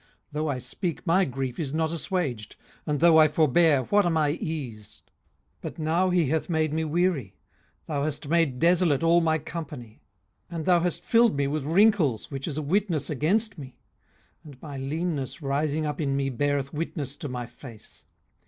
18:016:006 Though I speak, my grief is not asswaged: and though I forbear, what am I eased? 18:016:007 But now he hath made me weary: thou hast made desolate all my company. 18:016:008 And thou hast filled me with wrinkles, which is a witness against me: and my leanness rising up in me beareth witness to my face.